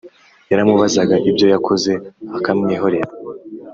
yaramubazaga ibyo yakoze akamwihorera